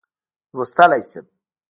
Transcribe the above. لوستلای شم.